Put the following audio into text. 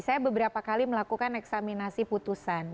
saya beberapa kali melakukan eksaminasi putusan